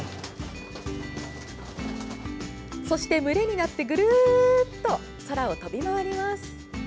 そして群れになってぐるっと空を飛び回ります。